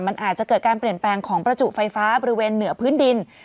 มันอาจจะเกิดการเปลี่ยนแปลงของประจุไฟฟ้าบริเวณเหนือพื้นดิน